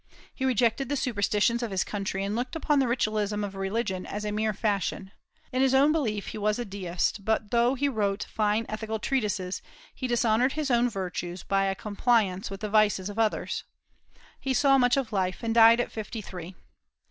He rejected the superstitions of his country, and looked upon the ritualism of religion as a mere fashion. In his own belief he was a deist; but though he wrote fine ethical treatises, he dishonored his own virtues by a compliance with the vices of others. He saw much of life, and died at fifty three.